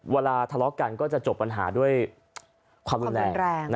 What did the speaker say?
เวลาทะเลาะกันก็จะจบปัญหาด้วยความรุนแรง